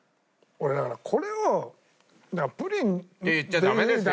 俺だからこれをプリン。って言っちゃダメですよね。